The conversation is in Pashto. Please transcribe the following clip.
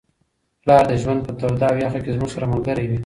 پلار د ژوند په توده او یخه کي زموږ سره ملګری وي.